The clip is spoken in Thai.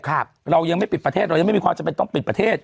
เรายังไม่ปิดประเทศเรายังไม่มีความจำเป็นต้องปิดประเทศ